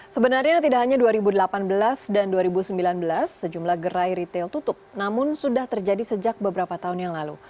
sebenarnya tidak hanya dua ribu delapan belas dan dua ribu sembilan belas sejumlah gerai retail tutup namun sudah terjadi sejak beberapa tahun yang lalu